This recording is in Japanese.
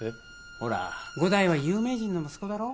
ほら伍代は有名人の息子だろ